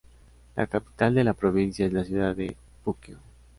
La capital de la provincia es la ciudad de Puquio